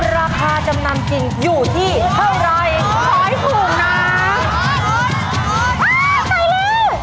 ราคาจำนำจริงอยู่ที่เท่าไร